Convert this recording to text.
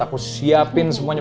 aku siapin semuanya